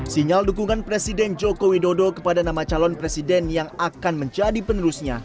sinyal dukungan presiden joko widodo kepada nama calon presiden yang akan menjadi penerusnya